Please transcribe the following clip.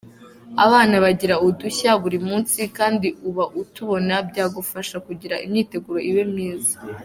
Abana bagira udushya buri munsi kandi uba utubona byagufasha kugirango imyiteguro ibe myiza.